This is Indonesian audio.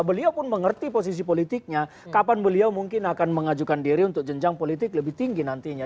beliau pun mengerti posisi politiknya kapan beliau mungkin akan mengajukan diri untuk jenjang politik lebih tinggi nantinya